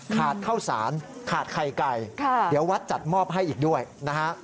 ข้าวสารขาดไข่ไก่เดี๋ยววัดจัดมอบให้อีกด้วยนะฮะ